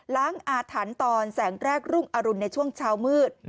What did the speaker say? อาถรรพ์ตอนแสงแรกรุ่งอรุณในช่วงเช้ามืด